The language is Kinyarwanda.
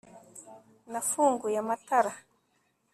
nafunguye amatara